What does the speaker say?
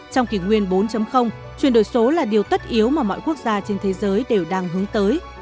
trong kỷ nguyên bốn chuyển đổi số là điều tất yếu mà mọi quốc gia trên thế giới đều đang hướng tới